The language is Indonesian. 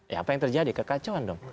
ya apa yang terjadi kekacauan dong